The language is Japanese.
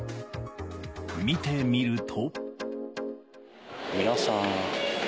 見てみると。